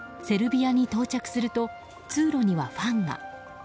セルビアに到着すると通路にはファンが。